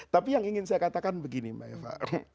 tapi yang ingin saya katakan begini mbak eva